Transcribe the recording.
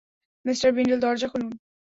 Mr Bindel, দরজা খুলুন।